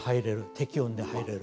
適温で入れる。